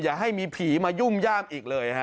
อย่าให้มีผีมายุ่มย่ามอีกเลยฮะ